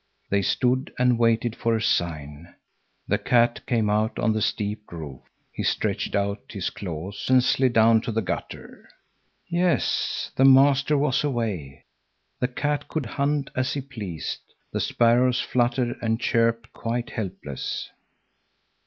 They stood and waited for a sign. The cat came out on the steep roof. He stretched out his claws and slid down to the gutter. Yes, the master was away, the cat could hunt as he pleased. The sparrows fluttered and chirped, quite helpless.